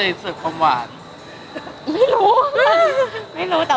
ไม่เคยว่าอะไรเลย